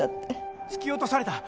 突き落とされた！